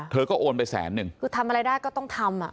เธอก็โอนไปแสนนึงคือทำอะไรได้ก็ต้องทำอ่ะ